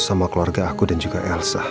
sama keluarga aku dan juga elsa